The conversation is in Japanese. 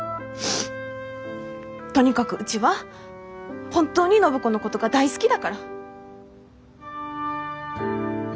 とにかくうちは本当に暢子のことが大好きだから！